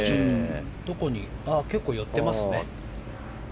結構、寄ってますね。